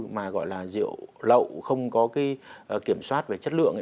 mà gọi là rượu lậu không có kiểm soát về chất lượng